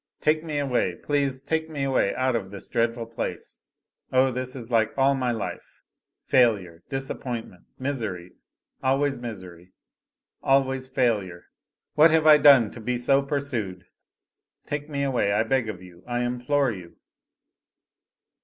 Take me away please take me away, out of this dreadful place! Oh, this is like all my life failure, disappointment, misery always misery, always failure. What have I done, to be so pursued! Take me away, I beg of you, I implore you!"